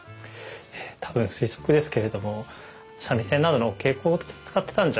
多分推測ですけれども三味線などのお稽古事で使ってたんじゃないかなあ？